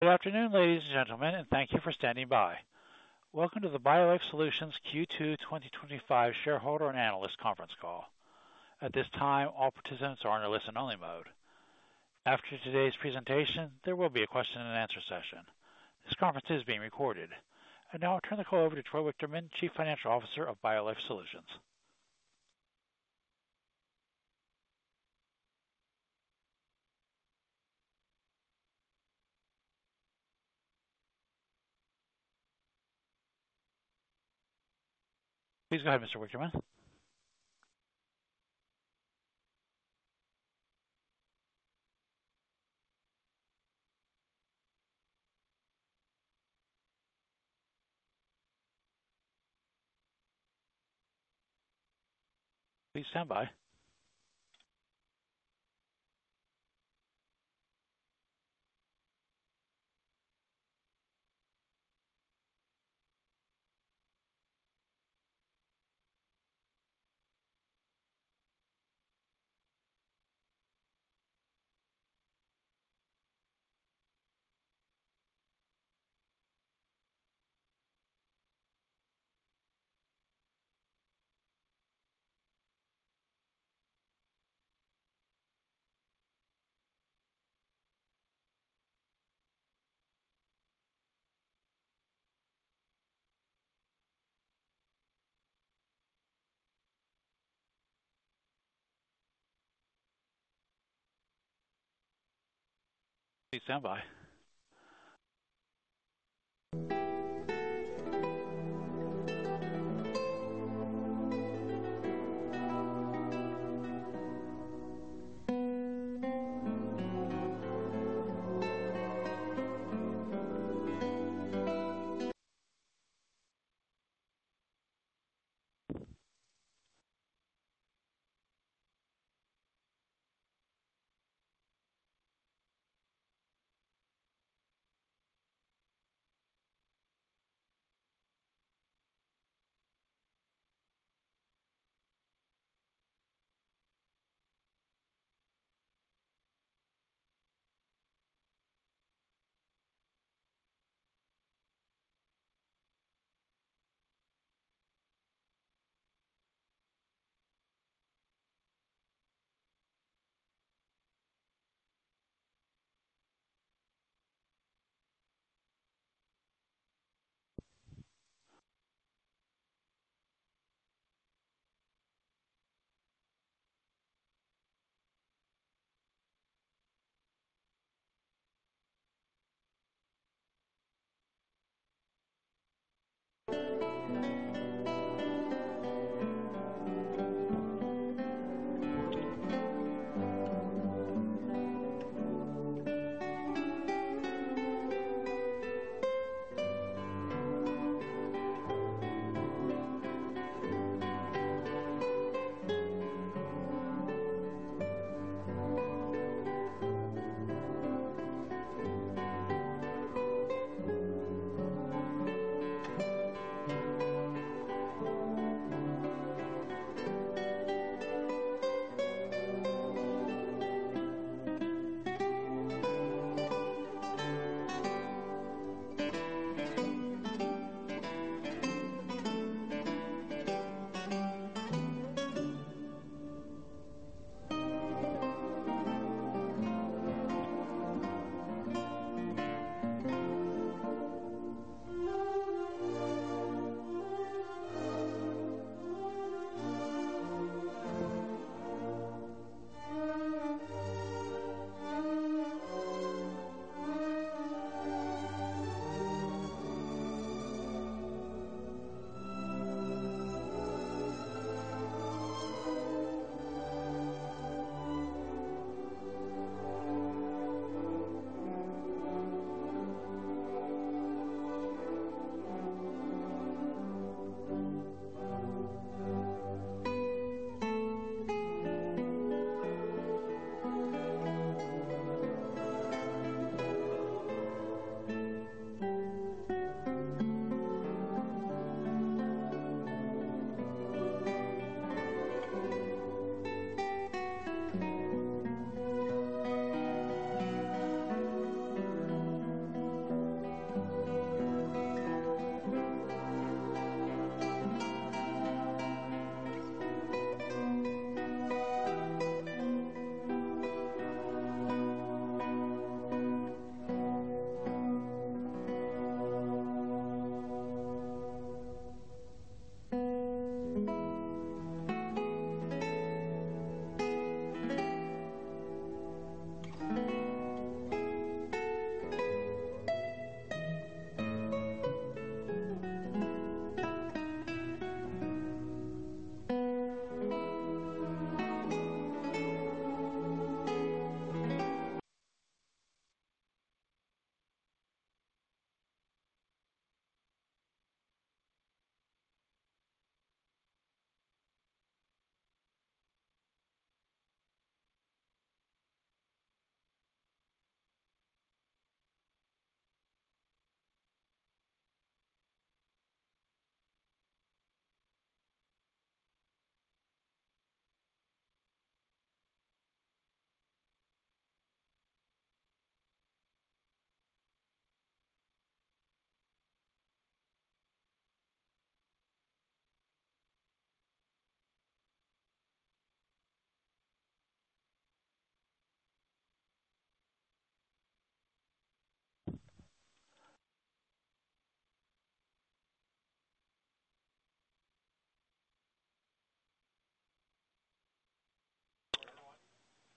Good afternoon, ladies and gentlemen, and thank you for standing by. Welcome to the BioLife Solutions Q2 2025 Shareholder and Analyst Conference Call. At this time, all participants are under listen-only mode. After today's presentation, there will be a question-and-answer session. This conference is being recorded. Now I'll turn the call over to Troy Wichterman, Chief Financial Officer of BioLife Solutions. Please go ahead, Mr. Wichterman. Please stand by.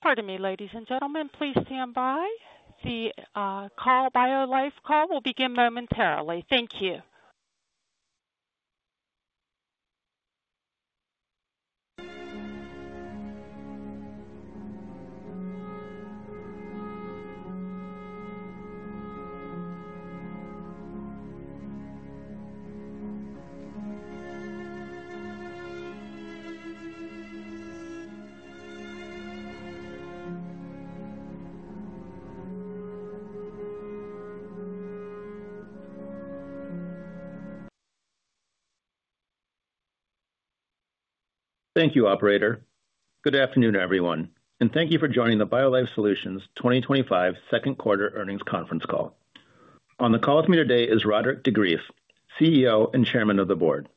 Pardon me, ladies and gentlemen, please stand by. The call BioLife call will begin momentarily. Thank you. Thank you, operator. Good afternoon, everyone, and thank you for joining the BioLife Solutions 2025 Second Quarter Earnings Conference Call. On the call with me today is Roderick de Greef, CEO and Chairman of the Board.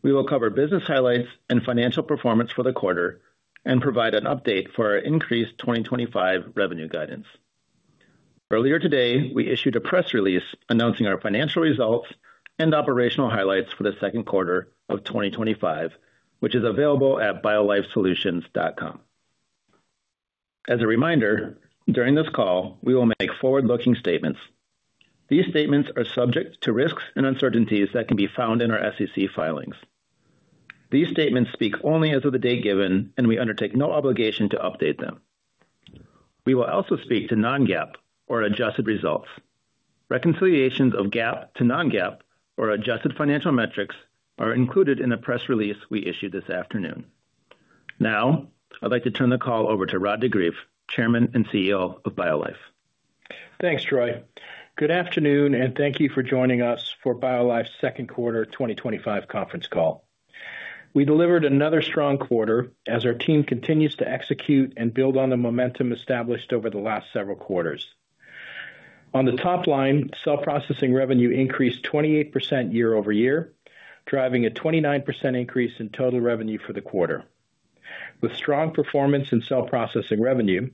We will cover business highlights and financial performance for the quarter and provide an update for our increased 2025 revenue guidance. Earlier today, we issued a press release announcing our financial results and operational highlights for the second quarter of 2025, which is available at biolifesolutions.com. As a reminder, during this call, we will make forward-looking statements. These statements are subject to risks and uncertainties that can be found in our SEC filings. These statements speak only as of the day given, and we undertake no obligation to update them. We will also speak to non-GAAP or adjusted results. Reconciliations of GAAP to non-GAAP or adjusted financial metrics are included in the press release we issued this afternoon. Now, I'd like to turn the call over to Roderick de Greef, Chairman and CEO of BioLife. Thanks, Troy. Good afternoon, and thank you for joining us for BioLife's Second Quarter 2025 Conference Call. We delivered another strong quarter as our team continues to execute and build on the momentum established over the last several quarters. On the top line, cell processing revenue increased 28% year-over-year, driving a 29% increase in total revenue for the quarter. With strong performance in cell processing revenue,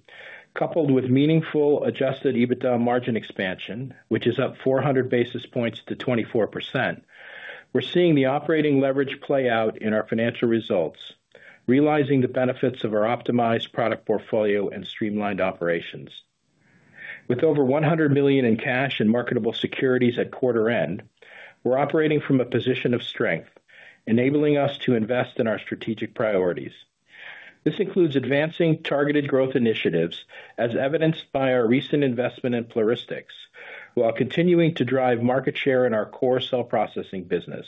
coupled with meaningful adjusted EBITDA margin expansion, which is up 400 basis points to 24%, we're seeing the operating leverage play out in our financial results, realizing the benefits of our optimized product portfolio and streamlined operations. With over $100 million in cash and marketable securities at quarter end, we're operating from a position of strength, enabling us to invest in our strategic priorities. This includes advancing targeted growth initiatives, as evidenced by our recent investment in Pluristyx, while continuing to drive market share in our core cell processing business.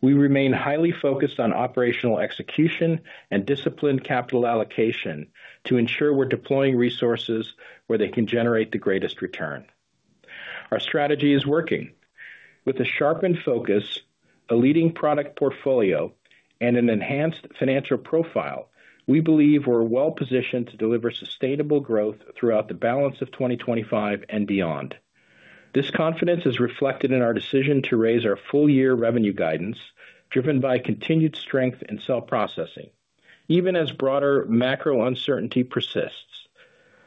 We remain highly focused on operational execution and disciplined capital allocation to ensure we're deploying resources where they can generate the greatest return. Our strategy is working. With a sharpened focus, a leading product portfolio, and an enhanced financial profile, we believe we're well-positioned to deliver sustainable growth throughout the balance of 2025 and beyond. This confidence is reflected in our decision to raise our full-year revenue guidance, driven by continued strength in cell processing, even as broader macro uncertainty persists.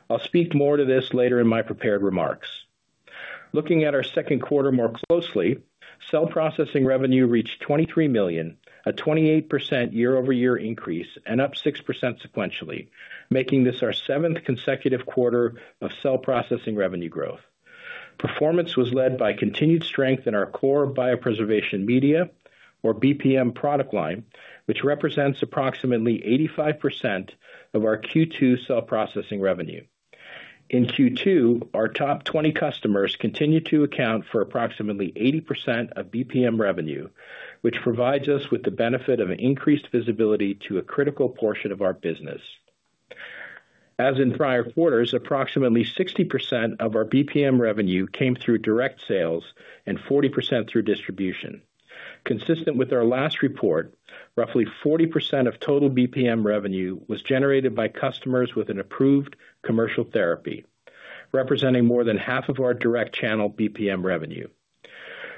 I'll speak more to this later in my prepared remarks. Looking at our second quarter more closely, cell processing revenue reached $23 million, a 28% year-over-year increase, and up 6% sequentially, making this our seventh consecutive quarter of cell processing revenue growth. Performance was led by continued strength in our core biopreservation media, or BPM product line, which represents approximately 85% of our Q2 cell processing revenue. In Q2, our top 20 customers continued to account for approximately 80% of BPM revenue, which provides us with the benefit of increased visibility to a critical portion of our business. As in prior quarters, approximately 60% of our BPM revenue came through direct sales and 40% through distribution. Consistent with our last report, roughly 40% of total BPM revenue was generated by customers with an approved commercial therapy, representing more than half of our direct channel BPM revenue.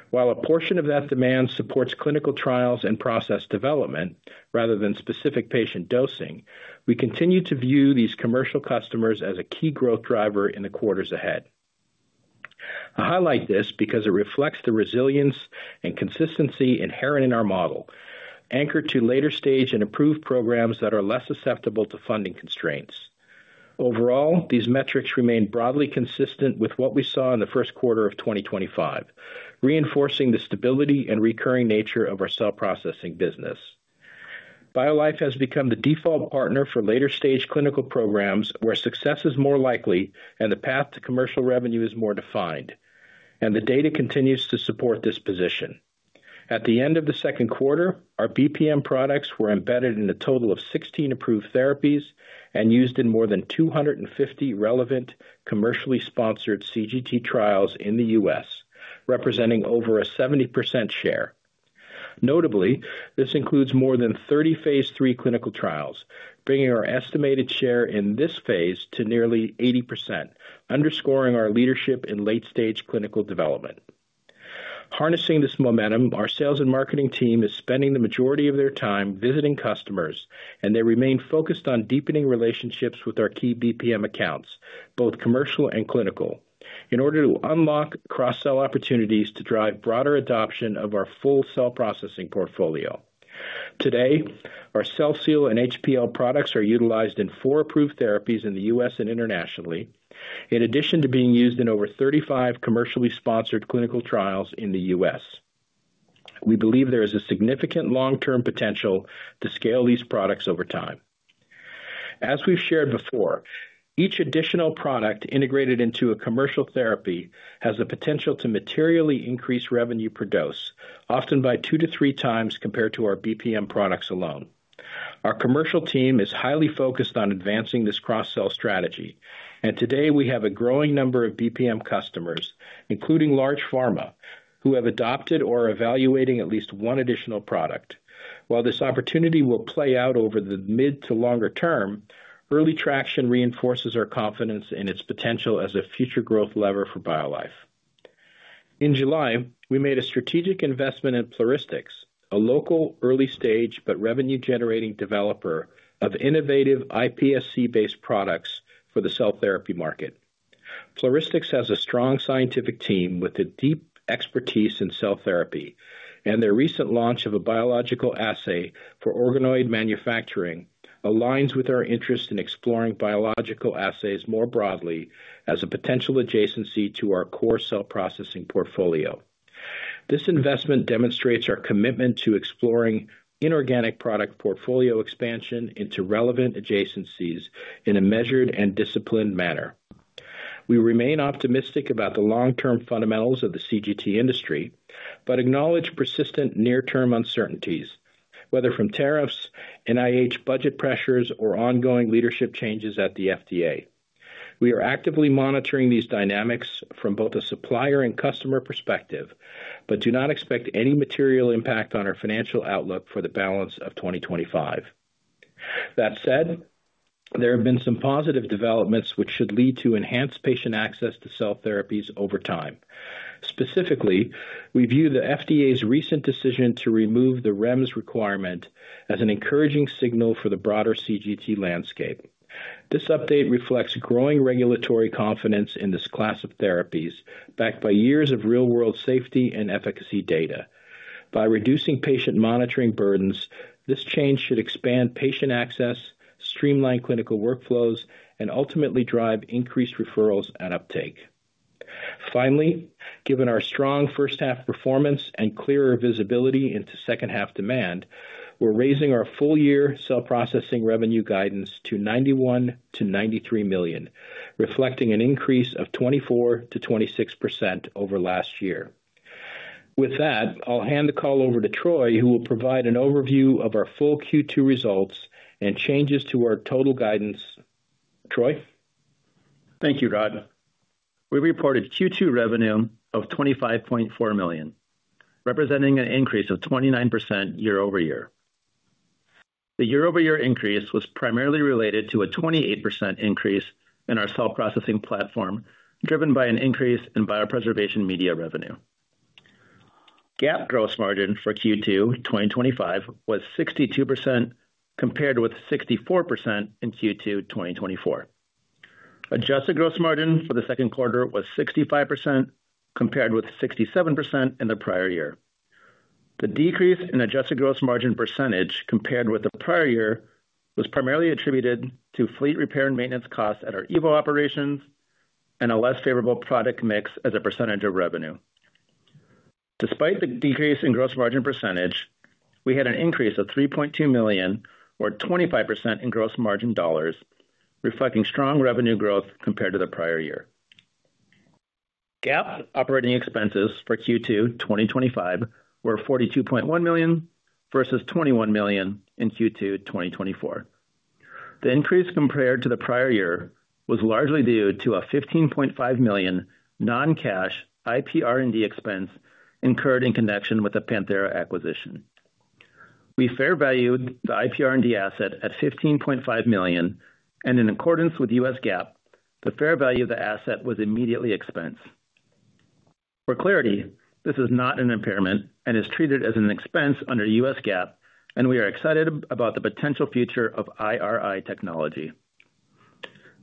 While a portion of that demand supports clinical trials and process development rather than specific patient dosing, we continue to view these commercial customers as a key growth driver in the quarters ahead. I highlight this because it reflects the resilience and consistency inherent in our model, anchored to later-stage and approved programs that are less susceptible to funding constraints. Overall, these metrics remain broadly consistent with what we saw in the first quarter of 2025, reinforcing the stability and recurring nature of our cell processing business. BioLife has become the default partner for later-stage clinical programs where success is more likely and the path to commercial revenue is more defined, and the data continues to support this position. At the end of the second quarter, our BPM products were embedded in a total of 16 approved therapies and used in more than 250 relevant commercially sponsored CGT trials in the U.S., representing over a 70% share. Notably, this includes more than 30 phase III clinical trials, bringing our estimated share in this phase to nearly 80%, underscoring our leadership in late-stage clinical development. Harnessing this momentum, our sales and marketing team is spending the majority of their time visiting customers, and they remain focused on deepening relationships with our key BPM accounts, both commercial and clinical, in order to unlock cross-sell opportunities to drive broader adoption of our full cell processing portfolio. Today, our CellSeal and HPL products are utilized in four approved therapies in the U.S. and internationally, in addition to being used in over 35 commercially sponsored clinical trials in the U.S. We believe there is a significant long-term potential to scale these products over time. As we've shared before, each additional product integrated into a commercial therapy has the potential to materially increase revenue per dose, often by 2x-3x compared to our BPM products alone. Our commercial team is highly focused on advancing this cross-sell strategy, and today we have a growing number of BPM customers, including large pharma, who have adopted or are evaluating at least one additional product. While this opportunity will play out over the mid to longer term, early traction reinforces our confidence in its potential as a future growth lever for BioLife. In July, we made a strategic investment in Pluristyx, a local early-stage but revenue-generating developer of innovative iPSC-based products for the cell therapy market. Pluristyx has a strong scientific team with deep expertise in cell therapy, and their recent launch of a biological assay for organoid manufacturing aligns with our interest in exploring biological assays more broadly as a potential adjacency to our core cell processing portfolio. This investment demonstrates our commitment to exploring inorganic product portfolio expansion into relevant adjacencies in a measured and disciplined manner. We remain optimistic about the long-term fundamentals of the CGT industry, but acknowledge persistent near-term uncertainties, whether from tariffs, NIH budget pressures, or ongoing leadership changes at the FDA. We are actively monitoring these dynamics from both a supplier and customer perspective, but do not expect any material impact on our financial outlook for the balance of 2025. That said, there have been some positive developments which should lead to enhanced patient access to cell therapies over time. Specifically, we view the FDA's recent decision to remove the REMS requirement as an encouraging signal for the broader CGT landscape. This update reflects growing regulatory confidence in this class of therapies, backed by years of real-world safety and efficacy data. By reducing patient monitoring burdens, this change should expand patient access, streamline clinical workflows, and ultimately drive increased referrals and uptake. Finally, given our strong first-half performance and clearer visibility into second-half demand, we're raising our full-year cell processing revenue guidance to $91 million to $93 million, reflecting an increase of 24% to 26% over last year. With that, I'll hand the call over to Troy, who will provide an overview of our full Q2 results and changes to our total guidance. Troy? Thank you, Rod. We reported Q2 revenue of $25.4 million, representing an increase of 29% year-over-year. The year-over-year increase was primarily related to a 28% increase in our cell processing platform, driven by an increase in biopreservation media revenue. GAAP gross margin for Q2 2025 was 62%, compared with 64% in Q2 2024. Adjusted gross margin for the second quarter was 65%, compared with 67% in the prior year. The decrease in adjusted gross margin percentage compared with the prior year was primarily attributed to fleet repair and maintenance costs at our EVO operations and a less favorable product mix as a percentage of revenue. Despite the decrease in gross margin percentage, we had an increase of $3.2 million, or 25%, in gross margin dollars, reflecting strong revenue growth compared to the prior year. GAAP operating expenses for Q2 2025 were $42.1 million versus $21 million in Q2 2024. The increase compared to the prior year was largely due to a $15.5 million non-cash IPR&D expense incurred in connection with the PanTHERA acquisition. We fair valued the IPR&D asset at $15.5 million, and in accordance with U.S. GAAP, the fair value of the asset was immediately expensed. For clarity, this is not an impairment and is treated as an expense under U.S. GAAP, and we are excited about the potential future of IRI technology.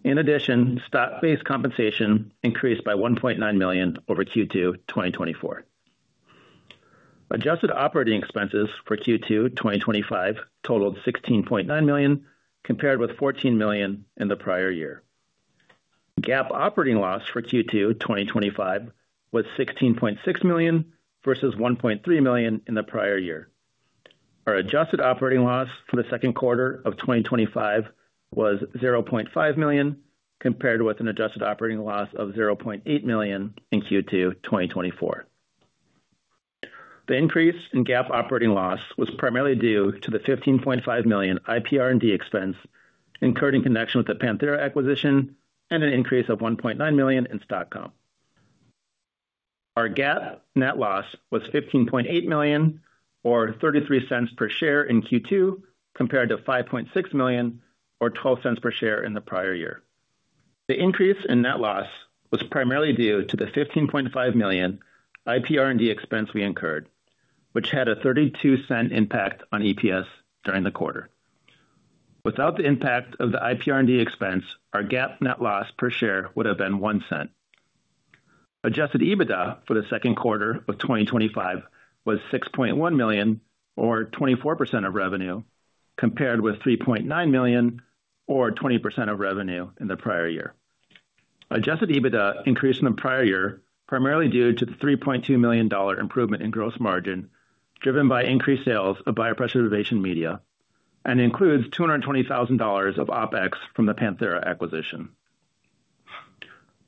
In addition, stock-based compensation increased by $1.9 million over Q2 2024. Adjusted operating expenses for Q2 2025 totaled $16.9 million, compared with $14 million in the prior year. GAAP operating loss for Q2 2025 was $16.6 million versus $1.3 million in the prior year. Our adjusted operating loss for the second quarter of 2025 was $0.5 million, compared with an adjusted operating loss of $0.8 million in Q2 2024. The increase in GAAP operating loss was primarily due to the $15.5 million IPR&D expense incurred in connection with the PanTHERA acquisition and an increase of $1.9 million in stock comp. Our GAAP net loss was $15.8 million, or $0.33 per share in Q2, compared to $5.6 million, or $0.12 per share in the prior year. The increase in net loss was primarily due to the $15.5 million IPR&D expense we incurred, which had a $0.32 impact on EPS during the quarter. Without the impact of the IPR&D expense, our GAAP net loss per share would have been $0.01. Adjusted EBITDA for the second quarter of 2025 was $6.1 million, or 24% of revenue, compared with $3.9 million, or 20% of revenue in the prior year. Adjusted EBITDA increased in the prior year primarily due to the $3.2 million improvement in gross margin, driven by increased sales of biopreservation media, and includes $220,000 of OpEx from the PanTHERA acquisition.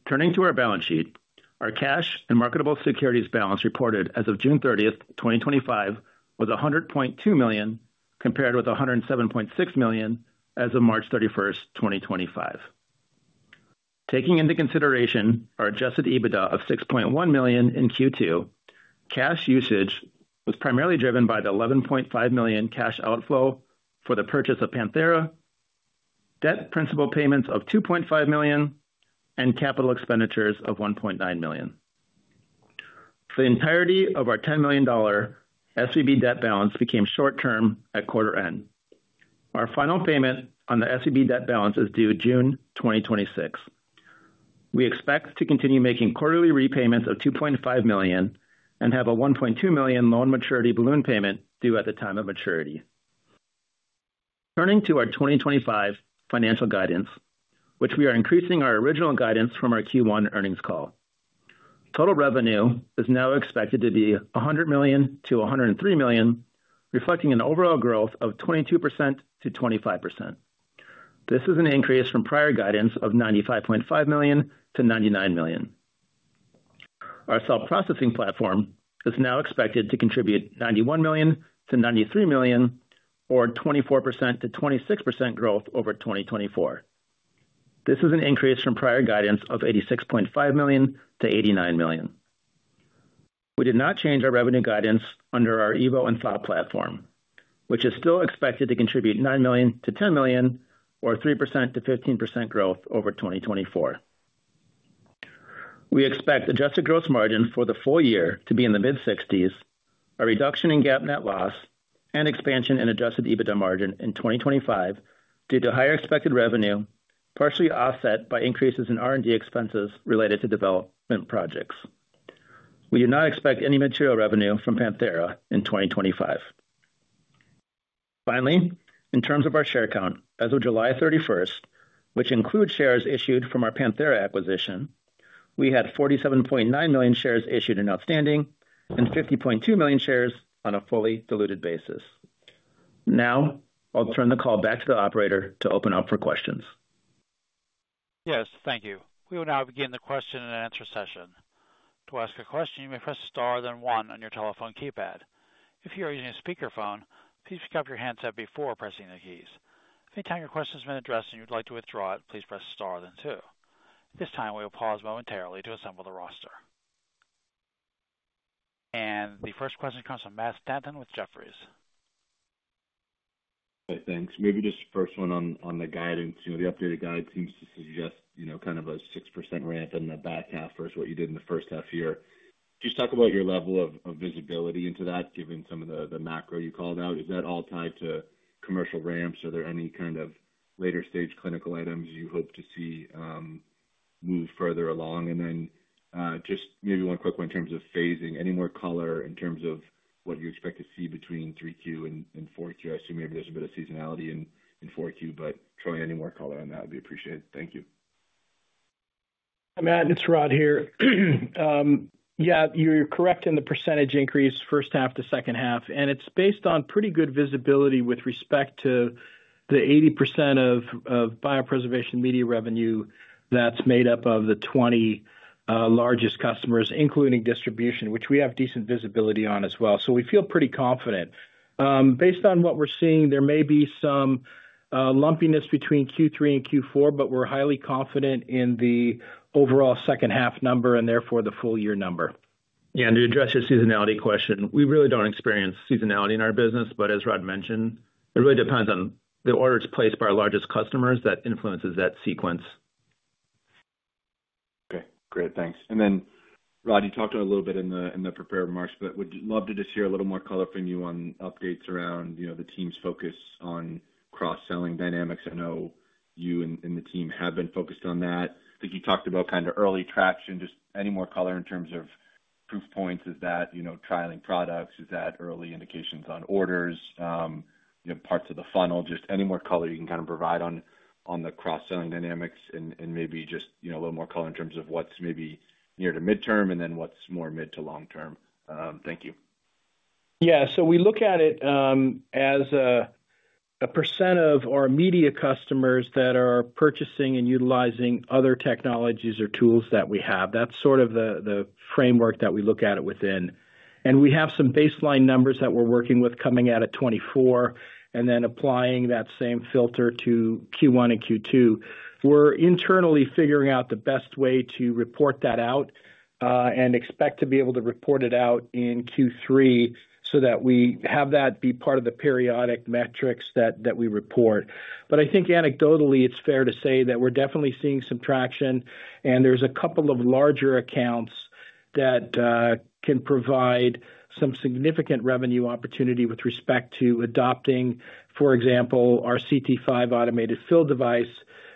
Turning to our balance sheet, our cash and marketable securities balance reported as of June 30th, 2025, was $100.2 million, compared with $107.6 million as of March 31st, 2025. Taking into consideration our adjusted EBITDA of $6.1 million in Q2, cash usage was primarily driven by the $11.5 million cash outflow for the purchase of PanTHERA, debt and principal payments of $2.5 million, and capital expenditures of $1.9 million. For the entirety of our $10 million SVB debt balance became short-term at quarter end. Our final payment on the SVB debt balance is due June 2026. We expect to continue making quarterly repayments of $2.5 million and have a $1.2 million loan maturity balloon payment due at the time of maturity. Turning to our 2025 financial guidance, we are increasing our original guidance from our Q1 earnings call. Total revenue is now expected to be $100 million to $103 million, reflecting an overall growth of 22% to 25%. This is an increase from prior guidance of $95.5 million to $99 million. Our cell processing platform is now expected to contribute $91 million to $93 million, or 24% to 26% growth over 2024. This is an increase from prior guidance of $86.5 million to $89 million. We did not change our revenue guidance under our EVO and THAA platform, which is still expected to contribute $9 million to $10 million, or 3% to 15% growth over 2024. We expect adjusted gross margin for the full year to be in the mid-60s, a reduction in GAAP net loss, and expansion in adjusted EBITDA margin in 2025 due to higher expected revenue, partially offset by increases in R&D expenses related to development projects. We do not expect any material revenue from PanTHERA in 2025. Finally, in terms of our share count, as of July 31st, which includes shares issued from our PanTHERA acquisition, we had 47.9 million shares issued and outstanding and 50.2 million shares on a fully diluted basis. Now, I'll turn the call back to the operator to open up for questions. Yes, thank you. We will now begin the question-and-answer session. To ask a question, you may press star then one on your telephone keypad. If you are using a speakerphone, please pick up your handset before pressing the keys. Anytime your question has been addressed and you would like to withdraw it, please press star then two. At this time, we will pause momentarily to assemble the roster. The first question comes from Matt Stanton with Jefferies. Thanks. Maybe just the first one on the guidance. The updated guide seems to suggest kind of a 6% ramp in the back half versus what you did in the first half year. Just talk about your level of visibility into that, given some of the macro you called out. Is that all tied to commercial ramps? Are there any kind of later-stage clinical items you hope to see move further along? Maybe one quick one in terms of phasing. Any more color in terms of what you expect to see between 3Q and 4Q? I assume maybe there's a bit of seasonality in 4Q, but throwing any more color on that would be appreciated. Thank you. Matt, it's Rod here. Yeah, you're correct in the percentage increase first half to second half. It's based on pretty good visibility with respect to the 80% of biopreservation media revenue that's made up of the 20 largest customers, including distribution, which we have decent visibility on as well. We feel pretty confident. Based on what we're seeing, there may be some lumpiness between Q3 and Q4, but we're highly confident in the overall second half number and therefore the full year number. Yeah, to address your seasonality question, we really don't experience seasonality in our business, but as Rod mentioned, it really depends on the orders placed by our largest customers that influences that sequence. Okay, great, thanks. Rod, you talked a little bit in the prepared remarks, but would love to just hear a little more color from you on updates around the team's focus on cross-selling dynamics. I know you and the team have been focused on that. I think you talked about kind of early traction. Any more color in terms of proof points? Is that trialing products? Is that early indications on orders? Parts of the funnel? Any more color you can provide on the cross-selling dynamics and maybe just a little more color in terms of what's near to mid-term and then what's more mid to long-term. Thank you. Yeah, so we look at it as a percent of our media customers that are purchasing and utilizing other technologies or tools that we have. That's sort of the framework that we look at it within. We have some baseline numbers that we're working with coming out at 2024 and then applying that same filter to Q1 and Q2. We're internally figuring out the best way to report that out and expect to be able to report it out in Q3 so that we have that be part of the periodic metrics that we report. I think anecdotally, it's fair to say that we're definitely seeing some traction, and there's a couple of larger accounts that can provide some significant revenue opportunity with respect to adopting, for example, our CT5 automated fill device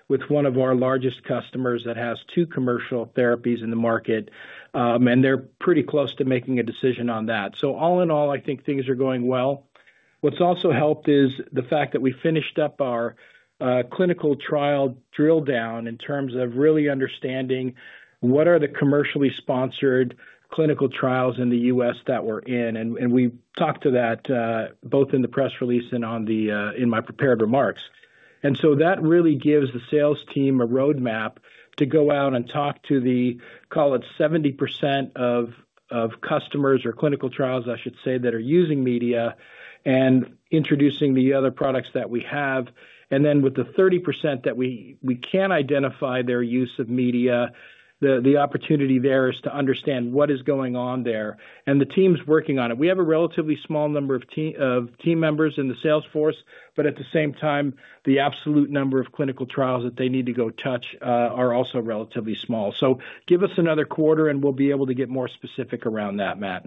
with one of our largest customers that has two commercial therapies in the market. They're pretty close to making a decision on that. All in all, I think things are going well. What's also helped is the fact that we finished up our clinical trial drill down in terms of really understanding what are the commercially sponsored clinical trials in the U.S. that we're in. We talked to that both in the press release and in my prepared remarks. That really gives the sales team a roadmap to go out and talk to the, call it 70% of customers or clinical trials, I should say, that are using media and introducing the other products that we have. With the 30% that we can identify their use of media, the opportunity there is to understand what is going on there. The team's working on it. We have a relatively small number of team members in the sales force, but at the same time, the absolute number of clinical trials that they need to go touch are also relatively small. Give us another quarter and we'll be able to get more specific around that, Matt.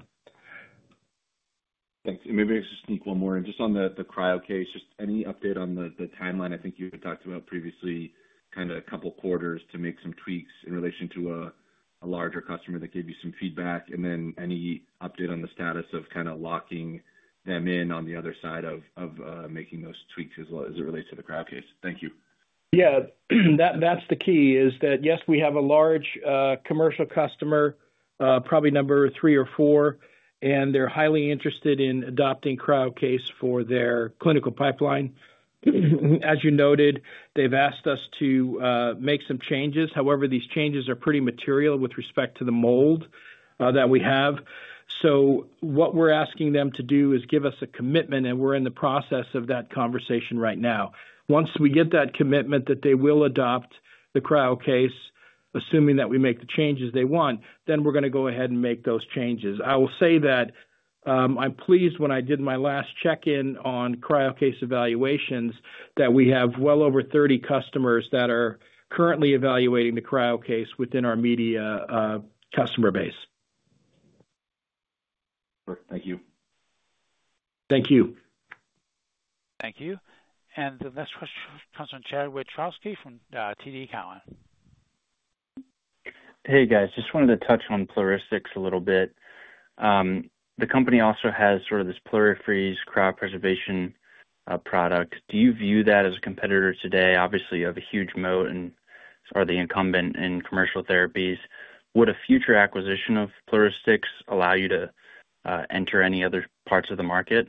Thanks. Maybe I just need one more. Just on the cryo case, any update on the timeline? I think you had talked about previously a couple quarters to make some tweaks in relation to a larger customer that gave you some feedback. Any update on the status of locking them in on the other side of making those tweaks as well as it relates to the cryo case? Thank you. Yeah, that's the key is that yes, we have a large commercial customer, probably number three or four, and they're highly interested in adopting cryo case for their clinical pipeline. As you noted, they've asked us to make some changes. However, these changes are pretty material with respect to the mold that we have. What we're asking them to do is give us a commitment, and we're in the process of that conversation right now. Once we get that commitment that they will adopt the cryo case, assuming that we make the changes they want, we're going to go ahead and make those changes. I will say that I'm pleased when I did my last check-in on cryo case evaluations that we have well over 30 customers that are currently evaluating the cryo case within our media customer base. Perfect. Thank you. Thank you. Thank you. The next question comes from Chad Wiatrowski from TD Cowen. Hey guys, just wanted to touch on Pluristyx a little bit. The company also has sort of this Plurifreeze cryopreservation product. Do you view that as a competitor today? Obviously, you have a huge moat and are the incumbent in commercial therapies. Would a future acquisition of Pluristyx allow you to enter any other parts of the market?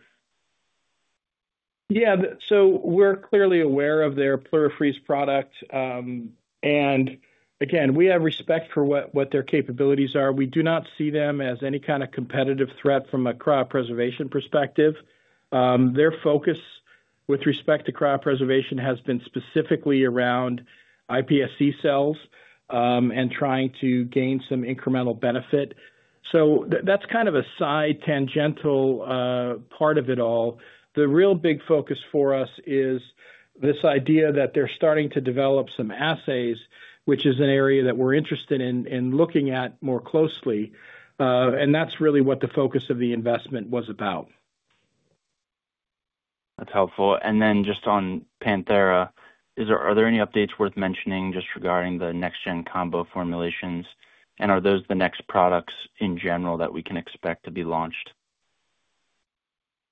Yeah, we're clearly aware of their Plurifreeze product. We have respect for what their capabilities are. We do not see them as any kind of competitive threat from a cryopreservation perspective. Their focus with respect to cryopreservation has been specifically around iPSC cells and trying to gain some incremental benefit. That's kind of a side tangential part of it all. The real big focus for us is this idea that they're starting to develop some assays, which is an area that we're interested in looking at more closely. That's really what the focus of the investment was about. That's helpful. Just on PanTHERA, are there any updates worth mentioning regarding the NextGen combo formulations? Are those the next products in general that we can expect to be launched?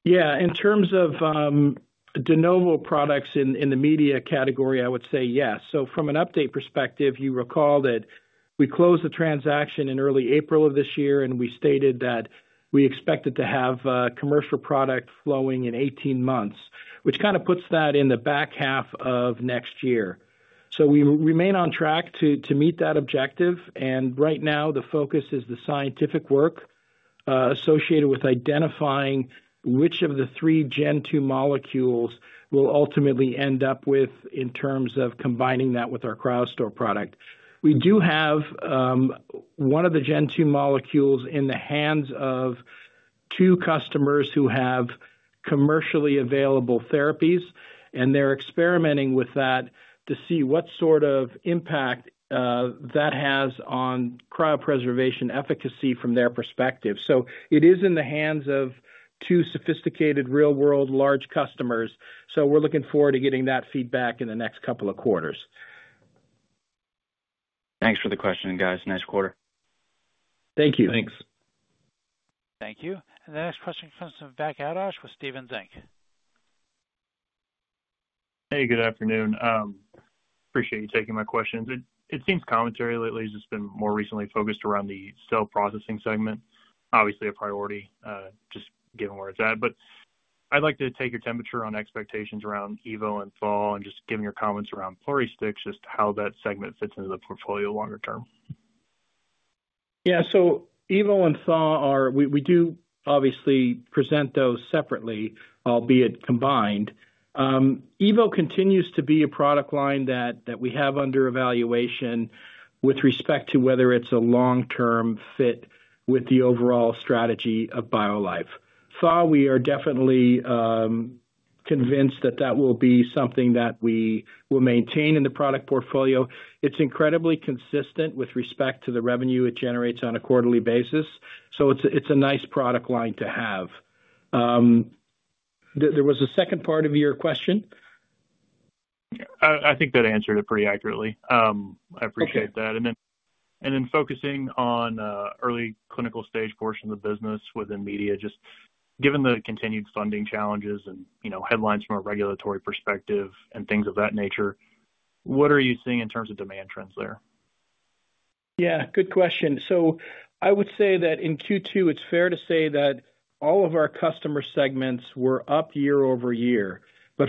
Yeah, in terms of de novo products in the media category, I would say yes. From an update perspective, you recall that we closed the transaction in early April of this year, and we stated that we expected to have a commercial product flowing in 18 months, which kind of puts that in the back half of next year. We remain on track to meet that objective. Right now, the focus is the scientific work associated with identifying which of the three Gen2 molecules we'll ultimately end up with in terms of combining that with our CryoStor product. We do have one of the Gen2 molecules in the hands of two customers who have commercially available therapies, and they're experimenting with that to see what sort of impact that has on cryopreservation efficacy from their perspective. It is in the hands of two sophisticated, real-world, large customers. We're looking forward to getting that feedback in the next couple of quarters. Thanks for the question, guys. Nice quarter. Thank you. Thank you. The next question comes from Zach Adash with Stephens Inc. Hey, good afternoon. Appreciate you taking my questions. It seems commentary lately has just been more recently focused around the cell processing segment. Obviously, a priority just given where it's at. I'd like to take your temperature on expectations around EVO and THAA, and just given your comments around Pluristyx, just how that segment fits into the portfolio longer term. Yeah, so EVO and THAA are, we do obviously present those separately, albeit combined. EVO continues to be a product line that we have under evaluation with respect to whether it's a long-term fit with the overall strategy of BioLife Solutions. THAA, we are definitely convinced that that will be something that we will maintain in the product portfolio. It's incredibly consistent with respect to the revenue it generates on a quarterly basis. It's a nice product line to have. There was a second part of your question. I think that answered it pretty accurately. I appreciate that. Focusing on the early clinical stage portion of the business within media, just given the continued funding challenges and headlines from a regulatory perspective and things of that nature, what are you seeing in terms of demand trends there? Yeah, good question. I would say that in Q2, it's fair to say that all of our customer segments were up year-over-year.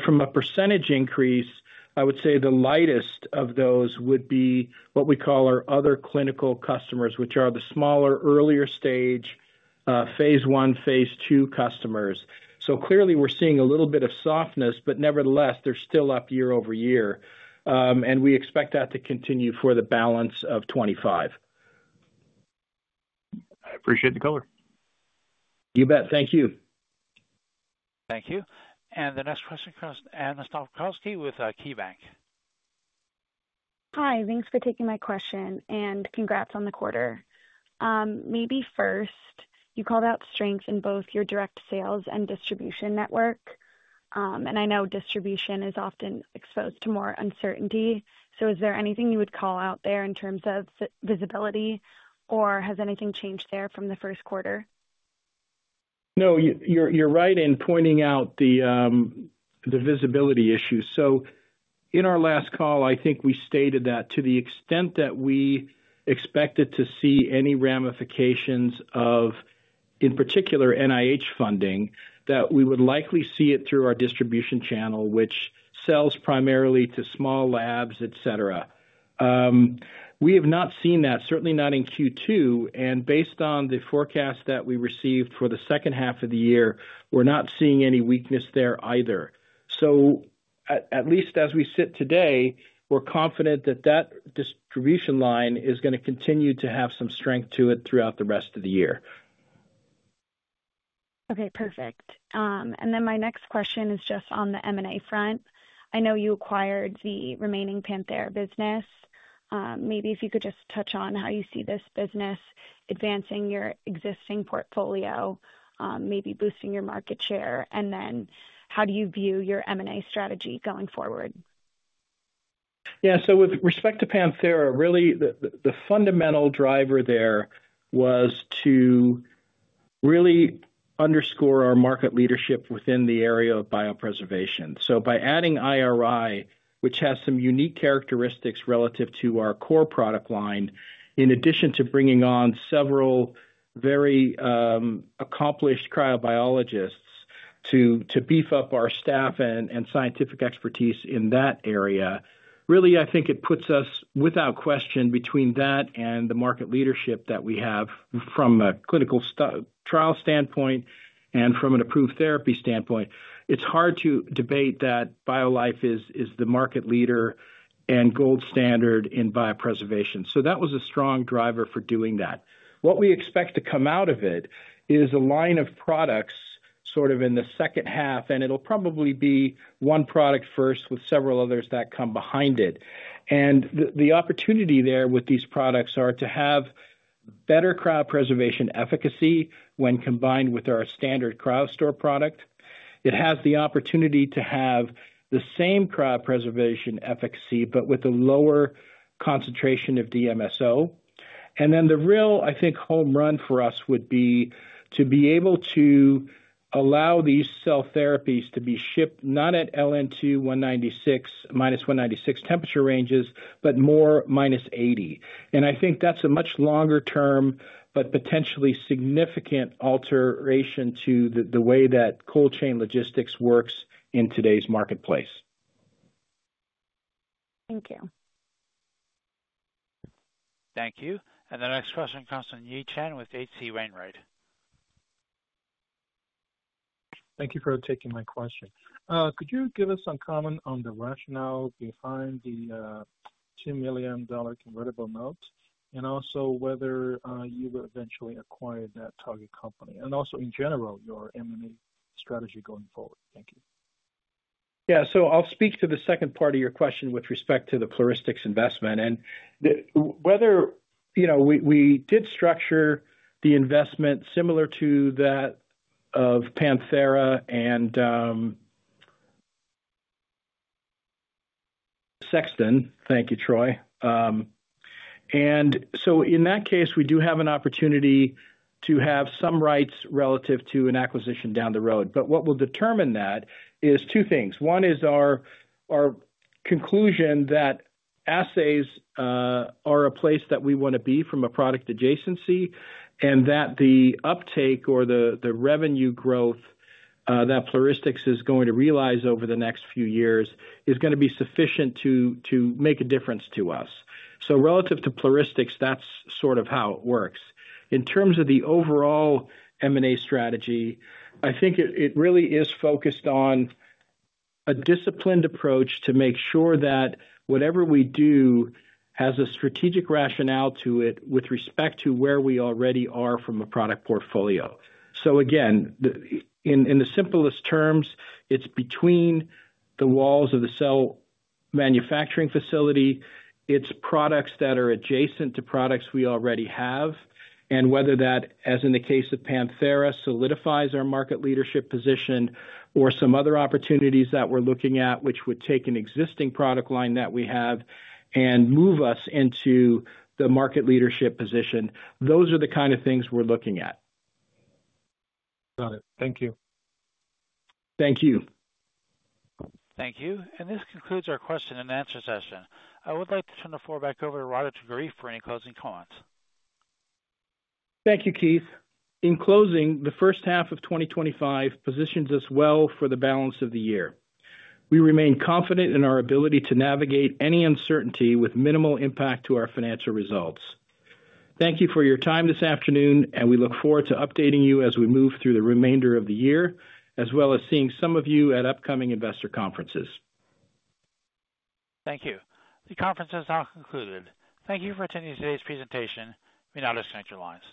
From a percentage increase, I would say the lightest of those would be what we call our other clinical customers, which are the smaller, earlier stage, phase I, phase II customers. Clearly, we're seeing a little bit of softness, but nevertheless, they're still up year-over-year. We expect that to continue for the balance of 2025. I appreciate the color. You bet. Thank you. Thank you. The next question comes from Anna Snopkowski with KeyBanc. Hi, thanks for taking my question and congrats on the quarter. Maybe first, you called out strength in both your direct sales and distribution network. I know distribution is often exposed to more uncertainty. Is there anything you would call out there in terms of visibility, or has anything changed there from the first quarter? No, you're right in pointing out the visibility issue. In our last call, I think we stated that to the extent that we expected to see any ramifications of, in particular, NIH funding, we would likely see it through our distribution channel, which sells primarily to small labs, etc. We have not seen that, certainly not in Q2. Based on the forecast that we received for the second half of the year, we're not seeing any weakness there either. At least as we sit today, we're confident that that distribution line is going to continue to have some strength to it throughout the rest of the year. Okay, perfect. My next question is just on the M&A front. I know you acquired the remaining PanTHERA business. Maybe if you could just touch on how you see this business advancing your existing portfolio, maybe boosting your market share, and then how do you view your M&A strategy going forward? Yeah, so with respect to PanTHERA, the fundamental driver there was to really underscore our market leadership within the area of biopreservation. By adding IRI, which has some unique characteristics relative to our core product line, in addition to bringing on several very accomplished cryobiologists to beef up our staff and scientific expertise in that area, I think it puts us without question between that and the market leadership that we have from a clinical trial standpoint and from an approved therapy standpoint. It's hard to debate that BioLife is the market leader and gold standard in biopreservation. That was a strong driver for doing that. What we expect to come out of it is a line of products in the second half, and it'll probably be one product first with several others that come behind it. The opportunity there with these products is to have better cryopreservation efficacy when combined with our standard CryoStor product. It has the opportunity to have the same cryopreservation efficacy, but with a lower concentration of DMSO. The real, I think, home run for us would be to be able to allow these cell therapies to be shipped not at LN2 -196 temperature ranges, but more -80. I think that's a much longer term, but potentially significant alteration to the way that cold chain logistics works in today's marketplace. Thank you. Thank you. The next question comes from Yi Chen with H.C. Wainwright. Thank you for taking my question. Could you give us some comment on the rationale behind the $2 million convertible note and also whether you've eventually acquired that target company, and also in general your M&A strategy going forward? Thank you. Yeah, so I'll speak to the second part of your question with respect to the Pluristyx investment. Whether you know we did structure the investment similar to that of PanTHERA and Sexton. Thank you, Troy. In that case, we do have an opportunity to have some rights relative to an acquisition down the road. What will determine that is two things. One is our conclusion that assays are a place that we want to be from a product adjacency and that the uptake or the revenue growth that Pluristyx is going to realize over the next few years is going to be sufficient to make a difference to us. Relative to Pluristyx, that's sort of how it works. In terms of the overall M&A strategy, I think it really is focused on a disciplined approach to make sure that whatever we do has a strategic rationale to it with respect to where we already are from a product portfolio. Again, in the simplest terms, it's between the walls of the cell manufacturing facility, it's products that are adjacent to products we already have, and whether that, as in the case of PanTHERA, solidifies our market leadership position or some other opportunities that we're looking at, which would take an existing product line that we have and move us into the market leadership position. Those are the kind of things we're looking at. Got it. Thank you. Thank you. Thank you. This concludes our question and answer session. I would like to turn the floor back over to Roderick de Greef for any closing comments. Thank you, Keith. In closing, the first half of 2025 positions us well for the balance of the year. We remain confident in our ability to navigate any uncertainty with minimal impact to our financial results. Thank you for your time this afternoon, and we look forward to updating you as we move through the remainder of the year, as well as seeing some of you at upcoming investor conferences. Thank you. The conference has now concluded. Thank you for attending today's presentation. We now disconnect the lines.